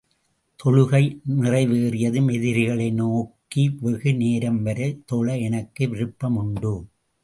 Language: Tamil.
தொழுகை நிறைவேறியதும், எதிரிகளை நோக்கி, வெகு நேரம் வரை, தொழ எனக்கு விருப்பம் உண்டு.